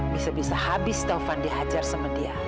bisa bisa habis taufan dihajar sama dia